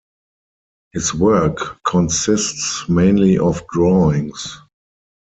His work consists mainly of drawings.